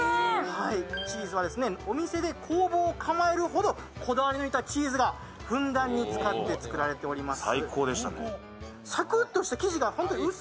チーズはお店で工房を構えるほどこだわり抜いたチーズがふんだんに使って作られています。